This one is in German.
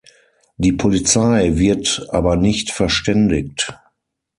Die Polizei wird aber nicht verständigt.